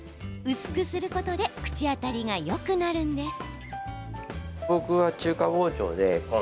薄くすることで口当たりがよくなるんです。